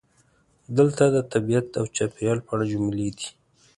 دلته د "طبیعت او چاپیریال" په اړه جملې دي: